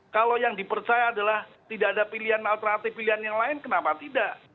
kalau yang dipercaya adalah tidak ada pilihan alternatif pilihan yang lain kenapa tidak